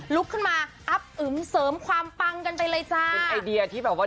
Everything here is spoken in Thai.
ลุกขึ้นมาอับอึมเสริมความปังกันไปเลยจ้าเป็นไอเดียที่แบบว่า